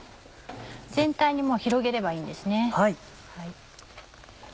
全体に広げればいいです。